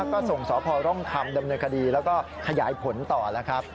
ก็ส่งสพร่องคำดำเนินคดีแล้วก็ขยายผลต่อแล้วครับ